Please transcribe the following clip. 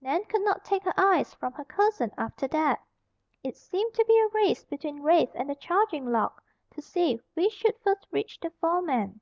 Nan could not take her eyes from her cousin after that. It seemed to be a race between Rafe and the charging log, to see which should first reach the foreman.